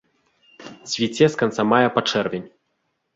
Цвіце з канца мая па чэрвень.